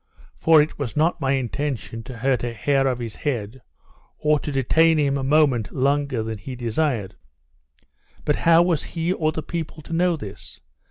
For it was not my intention to hurt a hair of his head, or to detain him a moment longer than he desired. But how was he or the people to know this?